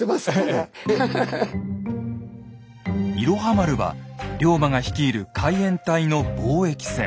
「いろは丸」は龍馬が率いる海援隊の貿易船。